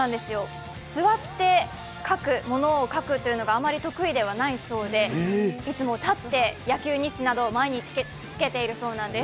座ってものを書くというのがあまり得意ではないそうで、いつも立って、野球日誌など毎日つけているそうです。